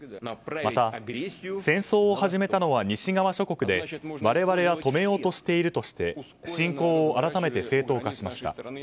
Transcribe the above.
また戦争を始めたのは西側諸国で我々は止めようとしているとして侵攻を改めて正当化しました。